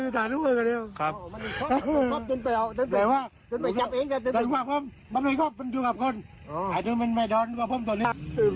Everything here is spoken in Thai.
ถึงเข้าไปเลยล็อกมันต่อไปล็อกแจกมันมาพลุกไว้ต่อไปแบบนี้